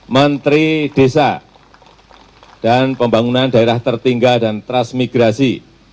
menteri desa dan pembangunan daerah tertinggal dan transmigrasi